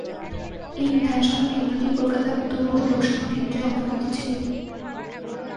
এই বিধানসভা কেন্দ্রটি কলকাতা উত্তর পূর্ব লোকসভা কেন্দ্রের অন্তর্গত ছিল।